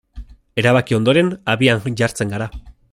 Erabaki ondoren, abian jartzen gara.